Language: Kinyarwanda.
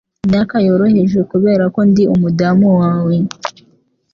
imyaka yoroheje 'Kubera ko ndi umudamu wawe